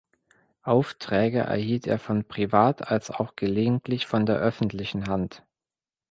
Aufträge erhielt er von privat als auch gelegentlich von der öffentlichen Hand